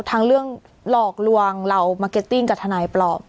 ทั้งเรื่องหลอกลวงเรามาร์เก็ตติ้งกับทนายปลอม